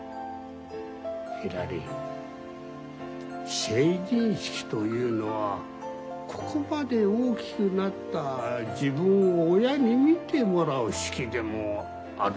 ひらり成人式というのはここまで大きくなった自分を親に見てもらう式でもあるんだよ。